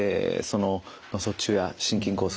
脳卒中や心筋梗塞